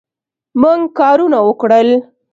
موږ کارونه وکړل